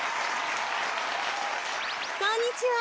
こんにちは。